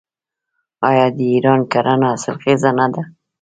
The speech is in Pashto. آیا د ایران کرنه حاصلخیزه نه ده؟